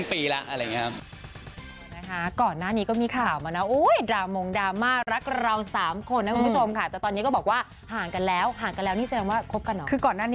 ผมว่าเกิน๔๕เดือนแล้วนะ